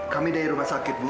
kami dari rumah sakit bu